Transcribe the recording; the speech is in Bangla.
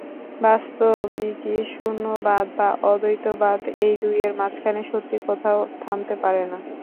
বাস্তবিকই শূন্যবাদ বা অদ্বৈতবাদ, এই দুয়ের মাঝখানে সত্যি কোথাও থামতে পার না।